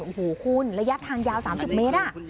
โอ้โหคุณระยะทางยาว๓๐เมตร